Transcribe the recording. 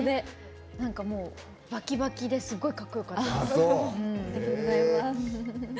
バキバキですごいかっこよかった。